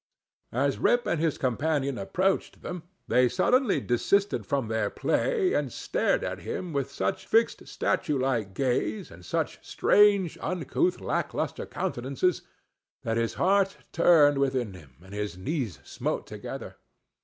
As Rip and his companion approached them, they suddenly desisted from their play, and stared at him with such fixed statue like gaze, and such strange, uncouth, lack lustre countenances, that his heart turned within him, and his knees smote together.